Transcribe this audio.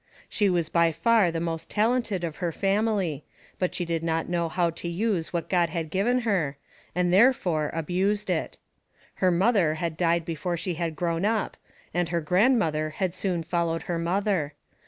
She was by far the most talented of her family, but she did not know how to use what God had given her, and therefore, abused it. Her mother had died before she had grown up, and her grandmother had soon followed her mother.